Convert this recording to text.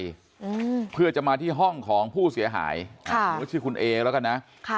อืมเพื่อจะมาที่ห้องของผู้เสียหายอ่าหรือว่าชื่อคุณเอแล้วกันนะค่ะ